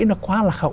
nó quá là khổ